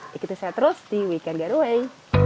dikita saya terus di weekend getaway